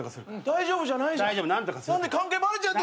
大丈夫じゃないじゃん。